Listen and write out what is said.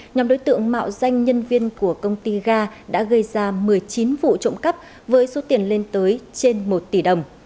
nhóm đối tượng mạo danh nhân viên của công ty ga đã gây ra một mươi chín vụ trộm cắp với số tiền lên tới trên một tỷ đồng